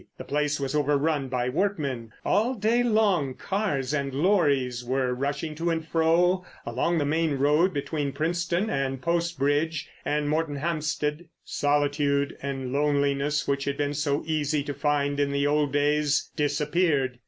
The place was over run by workmen. All day long cars and lorries were rushing to and fro along the main road between Princetown and Post Bridge and Moretonhampstead. Solitude and loneliness, which had been so easy to find in the old days, disappeared.